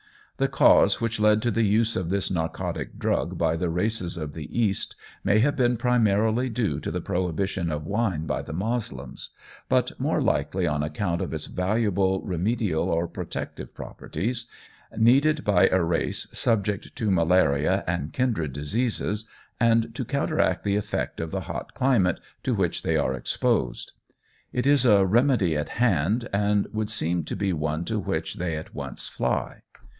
The cause which led to the use of this narcotic drug by the races of the East may have been primarily due to the prohibition of wine by the Moslems, but more likely on account of its valuable remedial or protective properties, needed by a race subject to malaria and kindred diseases, and to counteract the effect of the hot climate to which they are exposed. It is a remedy at hand, and would seem to be one to which they at once fly.